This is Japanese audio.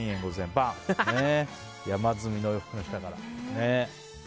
山積みの洋服の下から。